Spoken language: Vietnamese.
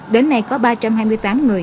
đến nay có ba trăm hai mươi tám người